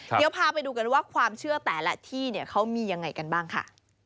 เดี๋ยวพาไปดูกันว่าความเชื่อแต่ละที่เนี่ยเขามียังไงกันบ้างค่ะ